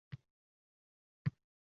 Qorong’ulik qasdiga